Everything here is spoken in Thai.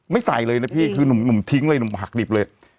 ใส่เลยนะพี่คือหนุ่มทิ้งเลยหนุ่มหักดิบเลย